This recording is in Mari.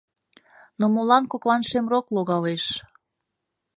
Но молан коклан шемрок логалеш?